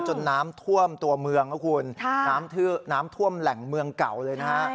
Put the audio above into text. น้ำท่วมตัวเมืองนะคุณน้ำท่วมแหล่งเมืองเก่าเลยนะฮะ